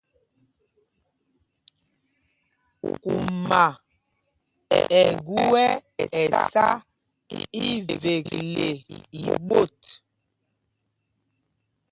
Kuma ɛ gu ɛ ɛsá ivekle i ɓot.